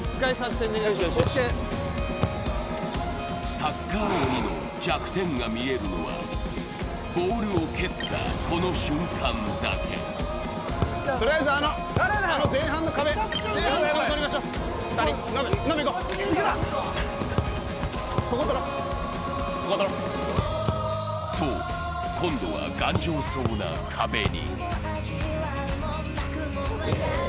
サッカー鬼の弱点が見えるのは、ボールを蹴ったこの瞬間だけ。と、今度は頑丈そうな壁に。